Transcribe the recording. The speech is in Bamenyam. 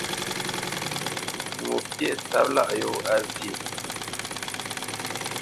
Ŋo pyêʼ tsâp lâʼ yōa zyéʼ.